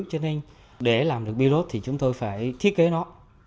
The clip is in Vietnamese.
cho nên để làm được virus thì chúng tôi phải thiết kế nó